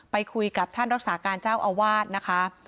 ไปคุยกับท่านรักษาการเจ้าอาวาสนะคะ